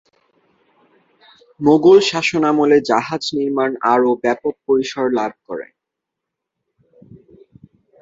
মোগল শাসনামলে জাহাজ নির্মাণ আরো ব্যপক পরিসর লাভ করে।